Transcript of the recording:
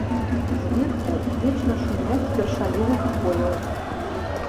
Зверху вечна шумяць вершаліны хвояў.